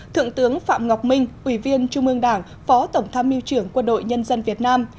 thượng tướng phạm ngọc minh ủy viên trung ương đảng phó tổng tham mưu trưởng quân đội nhân dân việt nam